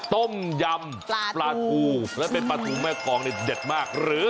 ต้มยำปลาทูและเป็นปลาทูแม่กองนี่เด็ดมากหรือ